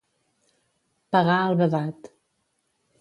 Pegar al vedat.